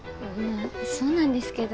そうなんですけど。